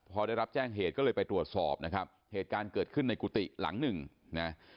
พอได้รับแจ้งเหตุก็เลยไปตรวจสอบนะครับเหตุการณ์เกิดขึ้นในกุฏิหลังหนึ่งนะ